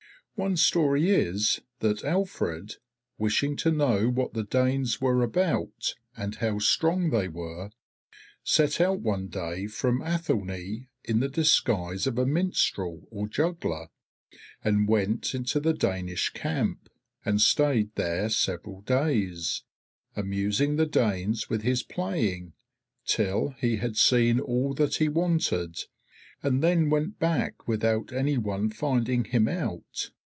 One story is that Alfred, wishing to know what the Danes were about and how strong they were, set out one day from Athelney in the disguise of a minstrel or juggler, and went into the Danish camp, and stayed there several days, amusing the Danes with his playing, till he had seen all that he wanted, and then went back without any one finding him out.